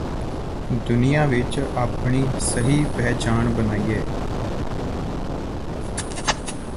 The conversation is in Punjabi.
ਦੁਨੀਆਂ ਵਿੱਚ ਆਪਣੀ ਸਹੀਂ ਪਹਿਚਾਨ ਬੱਣਾਈਏ